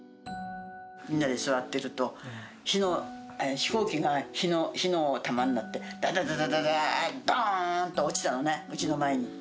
みんなで座っていると、ちょっと、火の、飛行機が火の玉になって、だだだだだだ、どーんって落ちたのね、うちの前に。